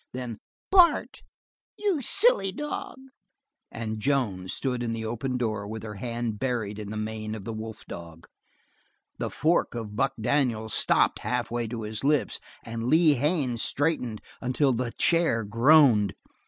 Then: "Bart, you silly dog!" and Joan stood at the open door with her hand buried in the mane of the wolf dog. The fork of Buck Daniels stopped halfway to his lips and Lee Haines straightened until the chair groaned.